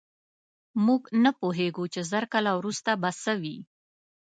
موږ نه پوهېږو، چې زر کاله وروسته به څه وي.